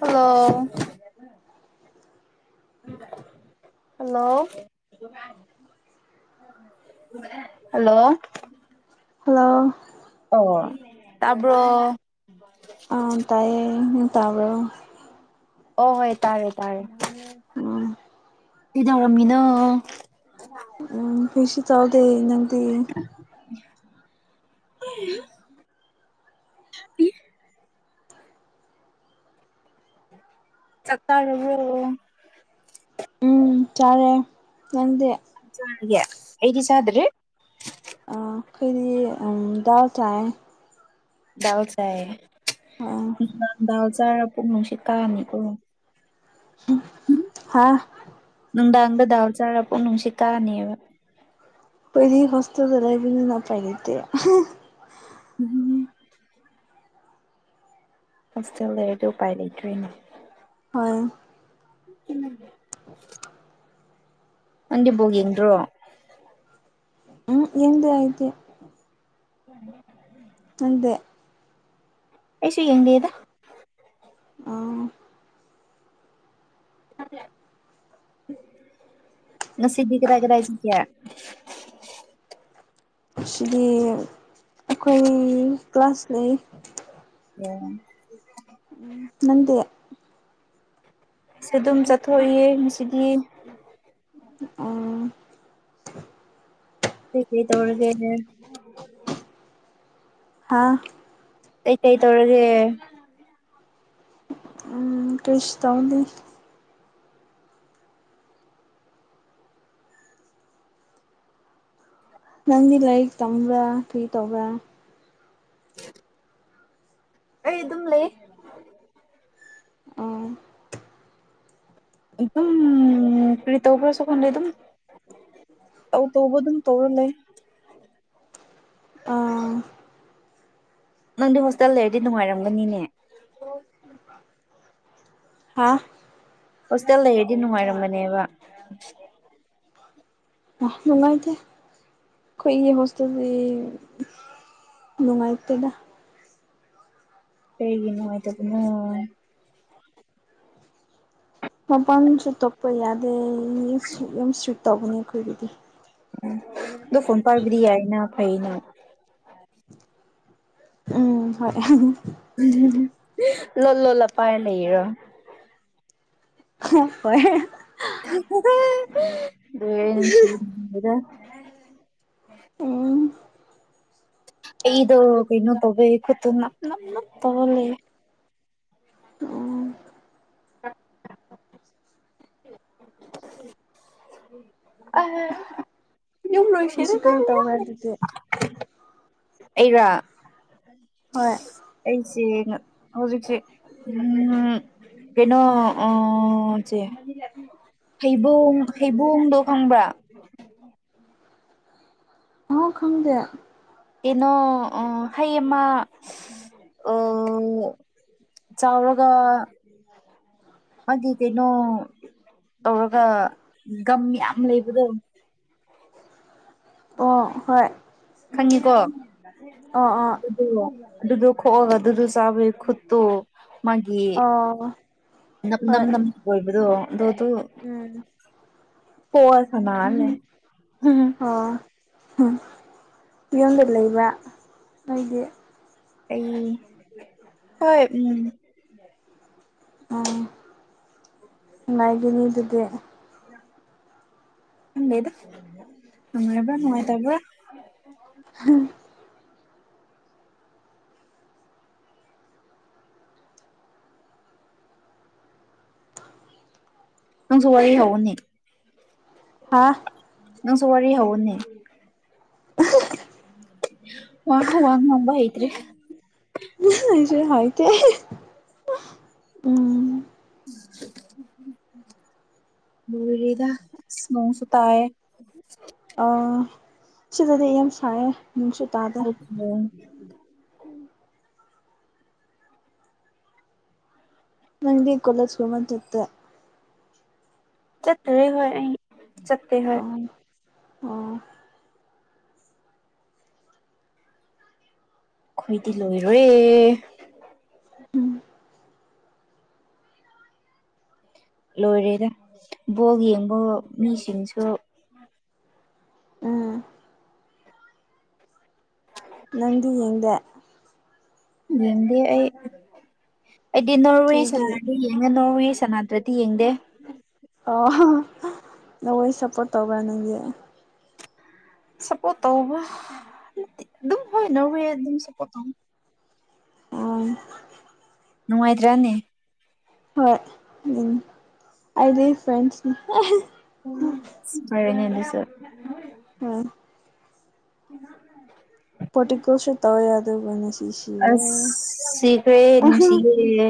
hello hello hello hello ꯑꯣ ꯇꯕ ꯑꯥ ꯇꯥꯏꯌꯦ ꯇꯥꯕꯣ ꯑꯣ ꯍꯣꯏ ꯇꯥꯔꯦ ꯇꯥꯔꯦ ꯎꯝ ꯀ ꯇꯧꯔꯝꯃꯤꯅꯣ ꯐꯤꯁ ꯆꯂꯗ ꯏꯗꯤ ꯍ ꯆꯠꯇꯥꯔꯣ ꯎꯝ ꯆꯥꯔꯦ ꯈꯪꯗꯦ ꯆꯦ ꯑꯩꯗꯤꯁꯗ꯭ꯔꯦ ꯈꯩꯔꯤ ꯗꯎ ꯆꯌꯦ ꯗꯥꯜ ꯆꯥꯏꯌꯦ ꯎꯝ ꯗꯥꯜ ꯆꯥꯔ ꯄꯨꯡ ꯅꯨꯡꯁꯤ ꯀꯥꯅꯤ ꯀꯣ ꯍꯥꯥ ꯅꯪꯗꯗꯥꯪꯗ ꯗꯥꯥꯎ ꯆꯄ ꯅꯅꯨꯡꯁꯤ ꯀꯥꯅꯤꯕ ꯄꯍꯤ ꯀꯁ ꯆꯂꯥꯏ ꯄ ꯅꯄꯥꯏꯗꯤ ꯍꯣꯁꯇꯦꯜ ꯂꯩꯔꯗ ꯎꯄꯥꯏ ꯂꯩꯇꯣꯏꯅꯦ ꯍꯣꯏ ꯎꯝ ꯑꯣꯟꯗꯤꯕꯣꯒ ꯌꯦꯡꯣ ꯎꯝ ꯌꯦꯡꯗꯤ ꯍꯥꯏꯥꯏꯗꯤ ꯎ ꯅꯗ ꯄꯩꯁ ꯌꯦꯡꯗꯦꯗ ꯑ ꯉꯁꯤꯗꯤ ꯀꯗꯥ ꯀꯗꯥꯁꯤ ꯀꯌꯥ ꯁꯤꯗꯤ ꯑꯩꯈꯣꯏ ꯀ꯭ꯂꯥꯁ ꯂꯩ ꯑꯣꯝ ꯎ ꯅꯗꯤꯦ ꯁ ꯑꯗꯨꯝ ꯆꯠꯊꯣꯛꯏ ꯉꯗꯤ ꯎ ꯁꯤ ꯀꯩ ꯇꯧꯔꯒꯦꯅꯦ ꯍꯥꯥ ꯇꯇꯩ ꯀꯩ ꯇꯣꯔꯒ ꯎꯝ ꯀꯁ ꯇꯧꯅꯤ ꯅꯪꯗꯤ ꯂꯥꯏꯔꯤꯛ ꯇꯝꯕ꯭ꯔꯥ ꯐꯤ ꯇꯧꯕ꯭ꯔꯥ ꯑꯩ ꯑꯗꯨꯝ ꯂꯩ ꯑ ꯑꯗꯨ ꯑꯗꯨꯝ ꯀ꯭ꯔꯤ ꯇꯧꯕ ꯈ꯭ꯔꯁꯨ ꯈꯣꯟꯂꯦ ꯑꯗꯨꯝ ꯑ ꯇꯣꯡꯕ ꯑꯗꯨꯝ ꯇꯣꯔꯂꯦ ꯑꯥ ꯅꯪꯗꯤ ꯍꯣꯁꯇꯦꯜ ꯂꯩꯔꯗꯤ ꯅꯨꯡꯉꯥꯏꯔꯝꯒꯅꯤꯅꯦ ꯑꯣ ꯍꯥꯥ ꯍꯣꯁꯇꯦꯜ ꯂꯩꯔꯗꯤ ꯅꯨꯡꯉꯥꯏꯔꯝꯕꯅꯦꯕ ꯑ ꯅꯨꯡꯉꯥꯏꯗꯦ ꯑꯩꯈꯣꯏꯒꯤ ꯍꯣꯁꯇꯦꯜꯁꯤ ꯅꯨꯡꯉꯥꯏꯇꯦꯗ ꯍꯒꯤꯅꯣꯥꯏ ꯇ ꯀꯣ ꯃꯄꯥꯟꯁꯨ ꯇꯣꯄ ꯌꯥꯗꯦ ꯌꯥꯝ ꯏꯁꯇ꯭ꯔꯤꯛ ꯇꯧꯒꯅꯤ ꯑꯩꯈꯣꯏꯒꯤꯗꯤ ꯎꯝ ꯑꯗꯨꯣ ꯐꯣꯟ ꯄꯥꯏꯕꯗꯤ ꯌꯥꯏꯅ ꯐꯩꯩꯅ ꯎꯝ ꯍꯣꯏ ꯂ ꯂꯂ ꯄꯥꯏ ꯂꯩꯔꯣ ꯍꯣꯏ ꯁꯤꯗ ꯎꯝ ꯏꯗꯣ ꯏꯩꯅ ꯇꯦ ꯅ ꯅ ꯅ ꯇꯧꯕꯂꯦ ꯑꯣ ꯑꯅꯁꯔ ꯉꯁꯤ ꯀꯔꯤ ꯇꯧꯕ꯭ꯔꯥ ꯑꯗꯨꯗꯤ ꯑꯩꯔ ꯍꯣꯏ ꯑꯩꯁꯦ ꯍꯧꯖꯤꯛꯁꯦ ꯎ ꯀꯩꯅꯣ ꯎ ꯁꯤꯦ ꯍꯩꯕꯣꯡ ꯍꯩꯕꯣꯡꯗꯣ ꯈꯪꯕ꯭ꯔꯥ ꯑꯥꯎ ꯈꯪꯗꯦ ꯀꯩꯅꯣ ꯑ ꯍꯩꯃ ꯑ ꯆꯥꯎꯥꯎꯔꯒ ꯃꯥ ꯀꯩꯅꯣ ꯇꯧꯔꯒ ꯒꯝ ꯌꯥꯝ ꯂꯩꯕꯗꯣ ꯑꯣ ꯍꯣꯏ ꯈꯪꯉꯤꯀꯣ ꯑꯣ ꯑꯗꯨꯗꯣ ꯈꯣꯛꯑꯒ ꯑꯗꯨꯗꯣ ꯆꯥꯕꯩ ꯈꯨꯠꯇꯨ ꯃꯥꯒꯤ ꯑꯣ ꯅꯝ ꯍꯣꯏ ꯅ ꯑꯣꯏꯣꯏꯕꯗꯣ ꯑꯗꯨꯣ ꯑꯗꯨ ꯎꯝ ꯄꯣꯋꯥ ꯁꯅꯥꯂꯦꯝ ꯎꯝ ꯌꯣꯟꯗ ꯂꯩꯕ ꯑꯩꯣꯏꯗꯤ ꯑꯩ ꯍꯣꯏ ꯎꯝ ꯎꯝꯉꯥꯏꯒꯤꯅꯤ ꯑꯗꯨꯗꯤ ꯗꯗꯥꯏꯕ ꯃꯣꯏ ꯇꯔꯕ ꯎꯝ ꯅꯪꯁꯨ ꯋꯥꯔꯤ ꯍꯧꯅꯤ ꯍꯥꯥ ꯅꯪꯁꯨ ꯋꯥꯔꯤ ꯍꯎꯅꯤ ꯋꯥꯉꯣ ꯋꯥꯉꯑꯣ ꯁꯨ ꯍ ꯇ ꯎꯝ ꯗ ꯁꯨꯁꯨꯇꯥꯌꯦ ꯑ ꯁꯤꯗꯗꯤ ꯑꯩ ꯌꯥꯝ ꯁꯥꯏꯌꯦ ꯅꯅꯨꯡꯁꯨ ꯇꯥꯗꯦ ꯑꯣꯝ ꯅꯪꯗꯤ ꯀꯣꯂꯦꯖ ꯀꯨꯃ ꯇꯠꯇꯦ ꯆꯠꯇꯔꯦ ꯍꯣꯏ ꯑ ꯆꯠꯇꯦ ꯍꯣꯏ ꯑꯣ ꯑꯣ ꯑꯩꯈꯣꯏꯗꯤ ꯂꯣꯏꯔꯦ ꯎꯝ ꯂꯣꯏꯔꯦꯗ ꯕꯣꯛ ꯌꯦꯡꯕ ꯃꯤꯁꯤꯡꯁꯨ ꯎꯝ ꯅꯪꯗꯤ ꯌꯦꯡꯗꯦ ꯌꯦꯗꯤ ꯑꯩ ꯑꯩꯗꯤ ꯅꯋꯁ ꯀꯔꯤꯒꯤ ꯅꯉ ꯅꯣꯡꯋ ꯁꯅꯥꯇ꯭ꯔꯗꯤ ꯌꯦꯡꯗꯦ ꯑꯣ ꯅꯈꯣꯏ ꯁꯞꯄꯣꯔꯠ ꯇꯧꯧꯕ꯭ꯔꯥ ꯅꯁꯦ ꯁꯞꯄꯣꯔꯠ ꯇꯧꯕ ꯑꯗꯨꯝ ꯍꯣꯏꯅ ꯍ ꯑꯗꯨꯝ ꯁꯞꯄꯣꯔꯠ ꯇꯧꯕ ꯎꯝ ꯅꯨꯡꯉꯥꯏꯇ꯭ꯔꯅꯦ ꯍꯣꯏ ꯎꯝ ꯑꯩꯗꯤ ꯐ꯭ꯔꯁ ꯐꯔꯅꯦꯗꯤꯁꯔ ꯎꯝ ꯎ ꯄꯔꯇꯤꯀꯜꯁꯤ ꯇꯧꯏ ꯑꯗꯒꯅꯤ ꯑꯁ ꯁꯤꯈ꯭ꯔꯦ ꯅꯨꯡ ꯁꯤꯌꯦ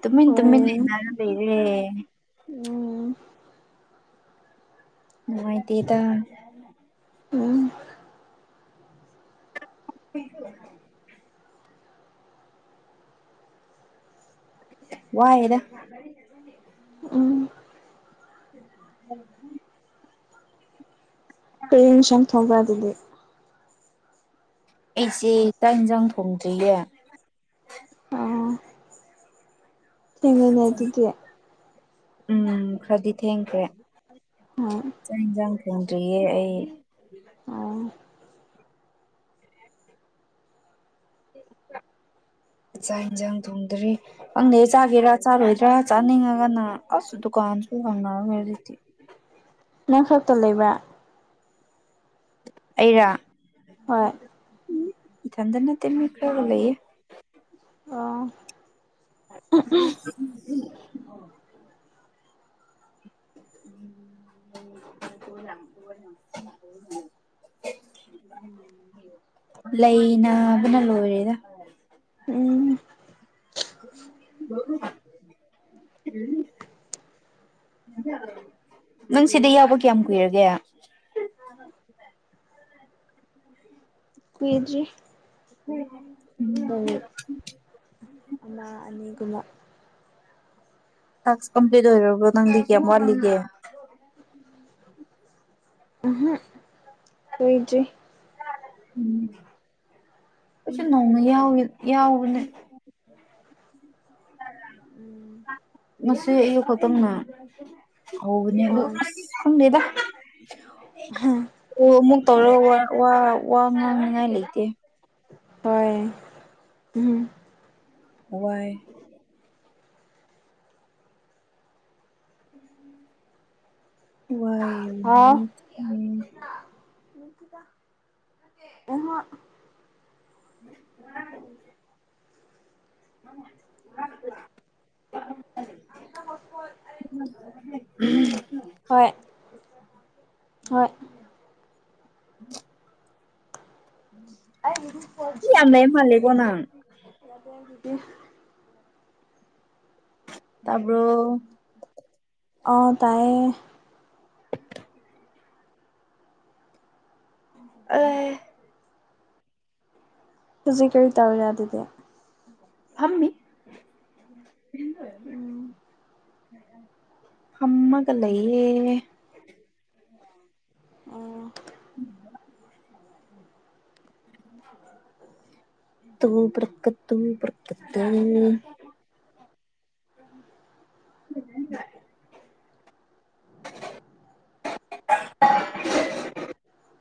ꯇꯨꯃꯤꯟ ꯇꯃꯤꯟ ꯍꯣꯏ ꯂꯩꯅꯔ ꯂꯩꯔꯦ ꯎꯝ ꯅꯨꯉꯥꯢ ꯇꯦꯗ ꯎꯝ [inaudible] ꯋꯥꯏꯗ ꯎꯝ ꯎꯝ ꯀꯩꯏꯡꯁꯪ ꯊꯧꯕ꯭ꯔ ꯑꯗꯨꯗꯤ ꯑꯩꯁꯦ ꯆꯥꯛ ꯏꯟꯁꯥꯡ ꯊꯣꯡꯗ꯭ꯔꯤꯌꯦ ꯊꯦꯡꯉꯅꯦ ꯑꯗꯨꯗꯒꯤ ꯎꯝ ꯈꯔꯗꯤ ꯊꯦꯡꯈ꯭ꯔꯦ ꯍꯣꯏ ꯆꯥꯛ ꯏꯟꯁꯥꯡ ꯊꯣꯡꯗ꯭ꯔꯤꯌꯦ ꯑꯩ ꯑꯣ [inaudible] ꯆꯥꯛ ꯏꯟꯁꯥꯡ ꯊꯣꯡꯗ꯭ꯔꯤ ꯈꯪꯅꯦ ꯆꯥꯒꯦꯔꯥ ꯆꯥꯔꯣꯏꯔꯥ ꯆꯥꯅꯤꯡꯉꯒꯅ ꯑꯁ ꯗꯨꯀꯥꯟꯁꯨ ꯐꯪꯅꯔꯣꯏ ꯑꯗꯨꯗꯤ ꯅꯪꯈꯛꯇ ꯂꯩꯕ꯭ꯔꯥ ꯑꯩꯔꯥ ꯍꯣꯏ ꯏꯊꯟꯇ ꯅꯠꯇꯦ ꯃꯤ ꯈꯔꯒ ꯂꯩꯌꯦ ꯑꯣ [unintelligible] [unintelligible] ꯎ ꯂꯩꯕꯨꯅ ꯂꯣꯏꯔꯦꯗ ꯎꯝ ꯎꯝ ꯅꯪ ꯁꯤꯗ ꯌꯥꯎꯕ ꯀꯌꯥꯝ ꯀꯨꯏꯔꯒꯦ ꯀꯨꯏꯗꯔꯤ ꯎꯝ ꯃꯃꯤ ꯑꯃꯥ ꯑꯅꯤꯒꯨꯝꯕ ꯇꯥꯛꯁ ꯀꯝꯄ꯭ꯂꯤꯠ ꯑꯣꯏꯔꯕ꯭ꯔꯣ ꯅꯪꯗꯤ ꯀꯌꯥꯌꯥꯝ ꯋꯥꯠꯂꯤꯒꯦ ꯎꯝ ꯎꯝꯍ ꯂꯣꯏꯗꯔ꯭ꯤ ꯎꯝ ꯀꯩꯁꯨ ꯅꯣꯡꯃ ꯌꯥꯎꯋꯦ ꯌꯥꯎꯕꯅꯦ ꯎꯝ ꯉꯁꯤ ꯑꯌꯨꯛ ꯈꯛꯇꯝꯅ ꯍꯧꯕꯅꯦꯕ ꯑꯥ ꯑꯁ ꯈꯪꯗꯦꯗ ꯍꯝ ꯑꯣ ꯑꯃꯨꯛ ꯇꯧꯔꯒ ꯋꯥ ꯋꯥ ꯋꯥꯉꯥꯡꯅꯤꯉꯥꯏ ꯂꯩꯇꯦ ꯍꯣꯏ ꯎꯝꯍꯝ ꯋꯥꯏ ꯋꯥꯏ ꯍꯥꯎ ꯃꯤ ꯎꯡꯍꯥ ꯎꯝ [inaudible] ꯑꯗ ꯍꯣꯁꯄꯣꯠ ꯍꯣꯏ ꯍꯣꯏ ꯎꯝ ꯑꯩꯒꯤꯗꯤ [inaudible] ꯃꯤ ꯌꯥꯝ ꯂꯦꯝꯃꯜꯂꯦꯀꯣ ꯅꯪ‌ ꯌꯥꯗ ꯍꯥꯏꯗꯤ ꯇꯥꯕ꯭ꯔꯣ ꯑ ꯇꯥꯏꯌꯦ ꯑ [inaudible] ꯍꯖꯤ ꯀꯔꯤ ꯇꯧꯔꯦ ꯑꯗꯨꯗꯤ ꯐꯝꯃꯤ ꯎꯝ ꯐꯝꯃꯒ ꯂꯩꯌꯦ ꯑ ꯄꯀꯠꯇ ꯄꯀꯠꯇ [unintelligible] [inaudible] [inaudible]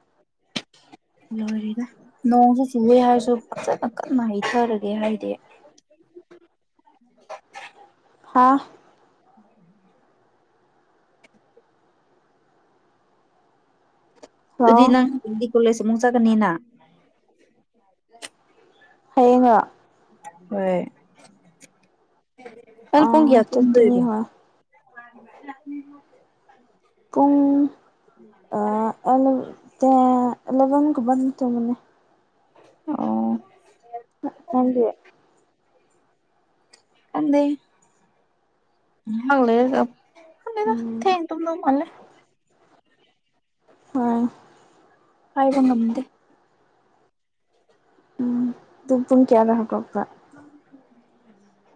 ꯂꯣꯏꯔꯦꯗ ꯅꯣꯡꯁꯨ ꯆꯨꯏꯌꯦ ꯍꯥꯏꯔꯁꯨ ꯐꯖꯅ ꯀꯟꯅ ꯍꯩꯊꯔꯒꯦ ꯍꯥꯏꯗꯦ [inaudible] ꯍꯥꯥ ꯑꯗꯨꯗꯤ ꯍꯜꯂꯣ ꯅꯪ ꯑꯗꯨꯗꯤ ꯀꯣꯂꯦꯖ ꯑꯃꯨꯛ ꯆꯠꯀꯅꯤꯅ ꯍꯌꯦꯡ ꯍꯣꯏ ꯀ ꯑꯥ ꯄꯨꯡꯒꯌꯥꯗꯒ ꯆꯠꯀꯅꯤ ꯍꯣꯏ ꯂꯃꯤ [unintelligible] ꯄꯨꯡ ꯑꯦꯂꯕꯦꯟꯒꯨꯝꯕꯟ ꯇꯣꯡꯕꯅꯤ ꯑꯣ ꯅꯪ [unintelligible] ꯈꯪꯗꯦ ꯉꯍꯛ ꯂꯩꯔꯒ ꯈꯪꯗꯦꯗ ꯎꯝ ꯊꯦꯡꯅ ꯇꯨꯝꯕ ꯃꯥꯜꯂꯦ ꯍꯣꯏ ꯍꯥꯏꯕ ꯉꯝꯗꯦ ꯎꯝ ꯇꯨꯝ ꯄꯨꯨꯡ ꯀꯌꯥꯗ ꯍꯥꯏꯒꯄ꯭ꯔꯥ ꯎꯝ [inaudible]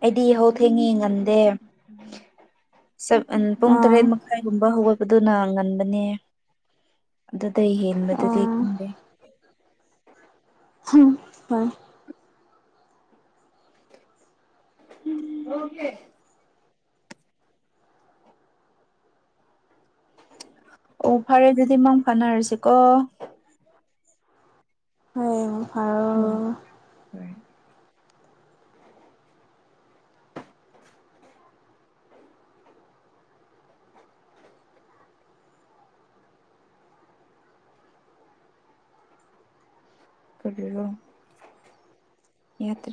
ꯑꯩꯗꯤ ꯌꯍꯧ ꯊꯦꯡꯉꯦ ꯉꯟꯗꯦ ꯁꯦꯞ ꯎꯝ ꯄꯨꯡ ꯑꯥ ꯇꯔꯦꯠ ꯃꯈꯥꯏꯒꯨꯝꯕ ꯍꯧꯒꯠ ꯑꯗꯨꯅ ꯉꯟꯕꯅꯦ ꯑꯗꯨꯗꯩꯒꯤ ꯑ ꯍꯝ ꯍ ꯍꯦ [inaudible] ꯑꯣ ꯐꯔꯦ ꯑꯗꯨꯗꯤ ꯃꯪ ꯐꯥꯅꯔꯁꯤꯀꯣ [inaudible] ꯎꯝ ꯎꯝ ꯔꯣ ꯌꯥꯗꯦ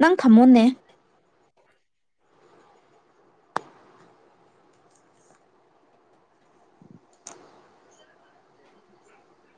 ꯅꯪ ꯊꯝꯃꯣꯅꯦ [inaudible]